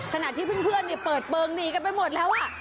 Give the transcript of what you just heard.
ขนาดที่เพื่อนเนี่ยเปิดเปลงนีกันไปหมดแล้ว